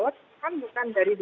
dan kemudian gini yang agak bahaya